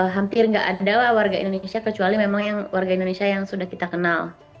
hampir nggak ada warga indonesia kecuali memang yang warga indonesia yang sudah kita kenal